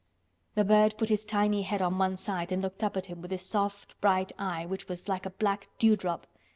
The bird put his tiny head on one side and looked up at him with his soft bright eye which was like a black dewdrop.